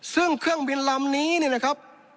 ซึ่งเครื่องบินลำนี้เนี่ยนะครับ